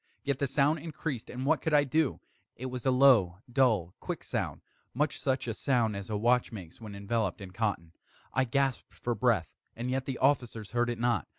Yet the sound increased and what could I do? It was a low, dull, quick sound much such a sound as a watch makes when enveloped in cotton. I gasped for breath and yet the officers heard it not.